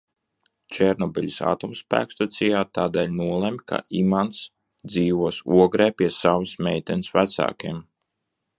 Černobiļas atomspēkstacijā, tādēļ nolemj, ka Imants dzīvos Ogrē pie savas meitenes vecākiem.